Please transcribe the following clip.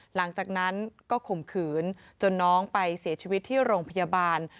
หลังจากนั้นก็ข่มขืนจนน้องไปเสียชีวิตที่โรงพยาบาล